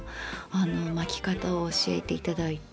巻き方を教えて頂いて。